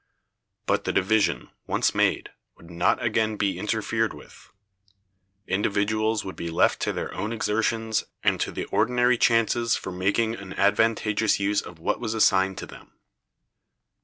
But the division, once made, would not again be interfered with; individuals would be left to their own exertions and to the ordinary chances for making an advantageous use of what was assigned to them.